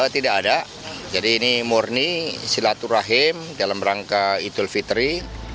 tidak ada jadi ini murni silaturahim dalam rangka idul fitri